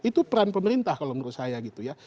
itu peran pemerintah kalau menurut saya gitu ya